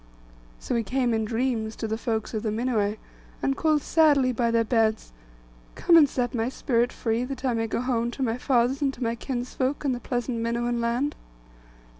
So he came in dreams to the heroes of the Minuai, and called sadly by their beds, 'Come and set my spirit free, that I may go home to my fathers and to my kinsfolk, and the pleasant Minuan land.